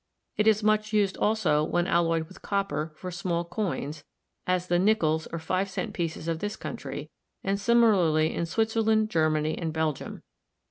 It is much used also, when alloyed with copper, for small coins, as the "nickels" or five cent pieces of this country, and similarly in Swit zerland, Germany and Belgium.